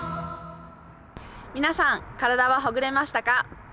皆さん、体はほぐれましたか？